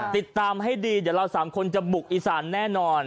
ติดตามให้ดีเดือนหน้าเรา๓คนจะบุกอีสานแน่นอน